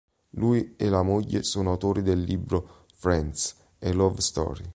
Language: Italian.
Lui e la moglie sono autori del libro "Friends: A Love Story".